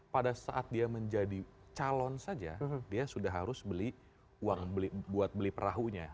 pada saat dia menjadi calon saja dia sudah harus beli buat beli perahunya